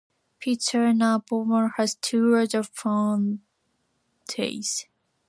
Piazza Navona has two other fountains.